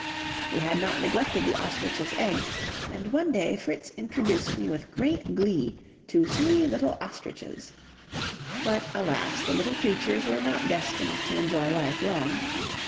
We had not neglected the ostrich's eggs, and one day Fritz introduced me with great glee to three little ostriches. But alas, the little creatures were not destined to enjoy life long.